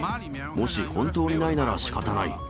もし本当にないならしかたない。